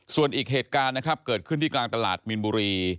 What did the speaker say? ส่วนอีกเหตุการณ์นะครับเกิดขึ้นที่กลางตลาดมีนบุรี